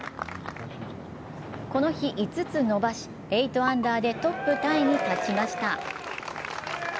この日５つ伸ばし、８アンダーでトップタイに立ちました。